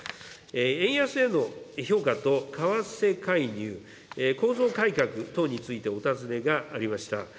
円安への評価と為替介入、構造改革等についてお尋ねがありました。